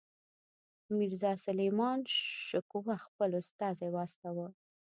میرزاسلیمان شکوه خپل استازی واستاوه.